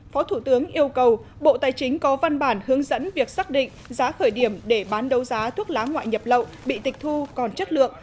phó thủ tướng yêu cầu bộ tài chính có văn bản hướng dẫn việc xác định giá khởi điểm để bán đấu giá thuốc lá ngoại nhập lậu bị tịch thu còn chất lượng